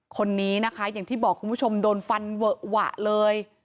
คนนี้นะคะอย่างที่บอกคุณผู้ชมโดนฟันเวอะหวะเลย